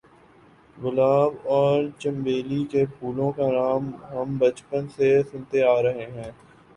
گلاب اور چنبیلی کے پھولوں کا نام ہم بچپن سے سنتے آ رہے ہیں۔